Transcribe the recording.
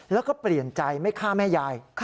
แล้วก็เปลี่ยนใจไม่ฆ่าแม่ยาย